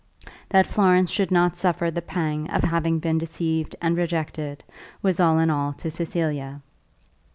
That Florence should not suffer the pang of having been deceived and rejected was all in all to Cecilia.